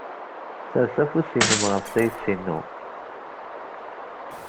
Ssers afus-nnem ɣef tayet-inu.